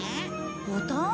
ボタン？